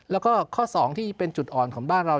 แล้วก็ข้อ๒ที่เป็นจุดอ่อนของบ้านเรา